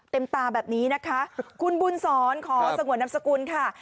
ตาแบบนี้นะคะคุณบุญสอนขอสงวนนำสกุลค่ะ